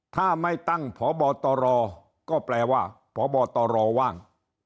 ถ้าไม่ตั้งพบตรก็แปลว่าพบตรว่าง